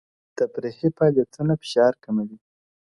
تفریحي فعالیتونه فشار کموي